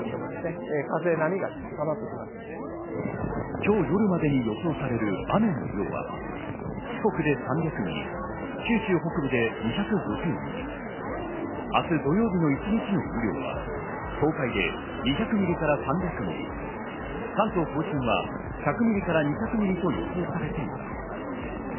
今日夜までに予想される雨の量は四国で３００ミリ、九州北部で２５０ミリ、明日、土曜日の一日の雨量は東海で２００ミリから３００ミリ、関東甲信は１００ミリから２００ミリと予想されています。